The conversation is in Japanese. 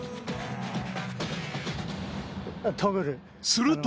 すると！